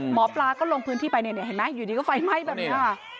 หมอปลาก็ลงพื้นที่ไปเนี่ยเห็นไหมอยู่ดีก็ไฟไหม้แบบนี้ค่ะ